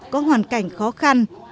có hoàn cảnh khó khăn